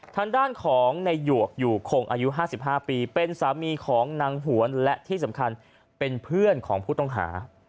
ทางด้านของในหยวกอยู่คงอายุ๕๕ปีเป็นสามีของนางหวนและที่สำคัญเป็นเพื่อนของผู้ต้องหา